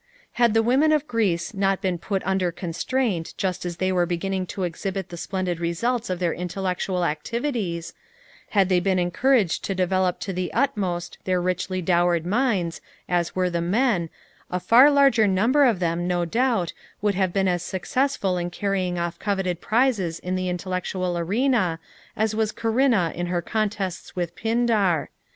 Had the women of Greece not been put under constraint just as they were beginning to exhibit the splendid results of their intellectual activities; had they been encouraged to develop to the utmost their richly dowered minds, as were the men, a far larger number of them, no doubt, would have been as successful in carrying off coveted prizes in the intellectual arena as was Corinna in her contests with Pindar.